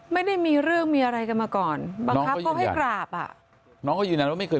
ไม่ได้มีเรื่องมีอะไรกันมาก่อนบังคับเขาให้กราบอ่ะน้องก็ยืนยันว่าไม่เคย